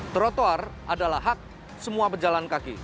trotoar adalah hak semua pejalan kaki